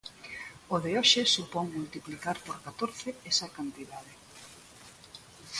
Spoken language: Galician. O de hoxe supón multiplicar por catorce esa cantidade.